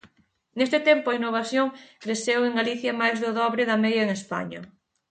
Neste tempo a innovación creceu en Galicia máis do dobre da media en España.